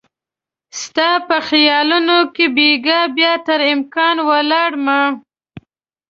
ستا په خیالونو کې بیګا بیا تر امکان ولاړ مه